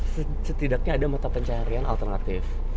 setidaknya ada mata pencarian alternatif